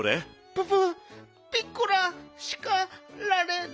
ププッピッコラしかられる？